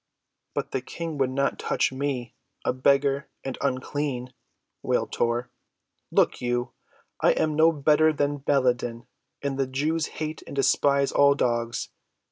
"But the King would not touch me—a beggar, and unclean," wailed Tor. "Look you, I am no better than Baladan, and the Jews hate and despise all dogs.